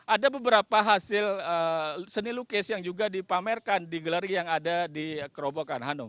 ada beberapa hasil seni lukis yang juga dipamerkan di gelar yang ada di kerobokan hanum